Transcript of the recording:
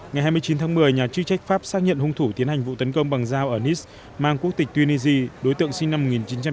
ngày hai mươi chín tháng một mươi nhà chư trách pháp xác nhận hung thủ tiến hành vụ tấn công bằng dao ở nice mang quốc tịch tunisia đối tượng sinh năm một nghìn chín trăm chín mươi chín